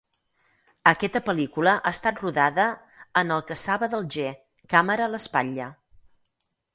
Aquesta pel·lícula ha estat rodada en l'Alcassaba d'Alger, càmera a l'espatlla.